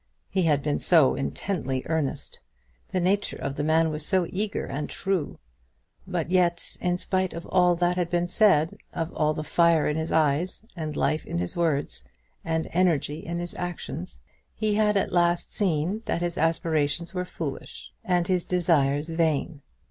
He had been so intently earnest! The nature of the man was so eager and true! But yet, in spite of all that had been said, of all the fire in his eyes, and life in his words, and energy in his actions, he had at last seen that his aspirations were foolish, and his desires vain.